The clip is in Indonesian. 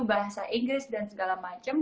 bahasa inggris dan segala macam